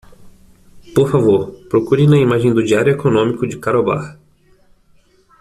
Por favor, procure na imagem do Diário Económico de Karobar.